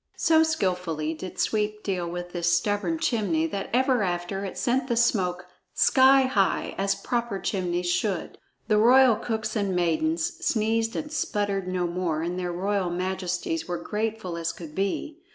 So skillfully did Sweep deal with this stubborn chimney that ever afterward it sent the smoke sky high, as proper chimneys should. The royal cooks and maidens sneezed and sputtered no more, and their royal majesties were grateful as could be.